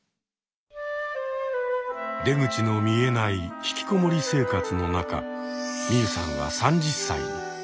出口の見えない引きこもり生活の中ミユさんは３０歳に。